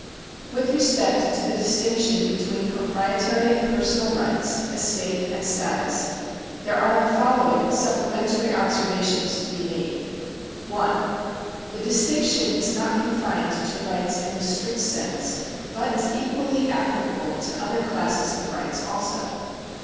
^ With respect to the distinction between proprietary and personal rights — estate and status — there arc the following supplementary observa tions to be made. 1. The distinction is not confined to rights in the strict sense, but is equally applicable to other classes of rights also.